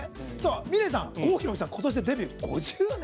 ｍｉｌｅｔさん、郷ひろみさんはことしでデビュー５０年。